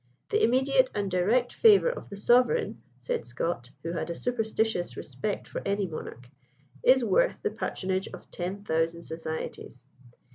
"The immediate and direct favour of the sovereign," said Scott, who had a superstitious respect for any monarch, "is worth the patronage of ten thousand societies."